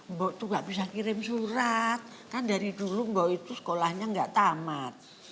mbok tuh gak bisa kirim surat kan dari dulu mbok itu sekolahnya gak tamat